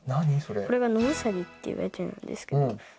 これは野うさぎっていわれているんですけど。